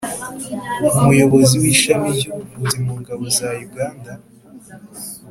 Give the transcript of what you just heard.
umuyobozi w'ishami ry'ubuvuzi mu ngabo za uganda,